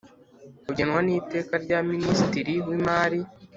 ugenwa n'Iteka rya Minisitiri w'Imari.